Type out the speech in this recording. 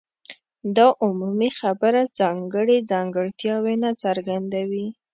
دا عمومي خبره ځانګړي ځانګړتیاوې نه څرګندوي.